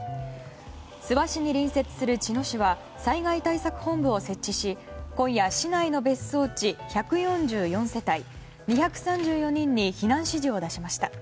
諏訪市に隣接する茅野市は災害対策本部を設置し今夜、市内の別荘地１４４世帯２３４人に避難指示を出しました。